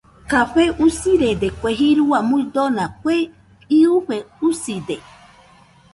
Café usirede kue jirua muidona kue iɨfe uside.